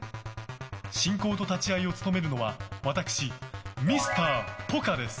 進行と立ち会いを務めるのは私、Ｍｒ．ポカです。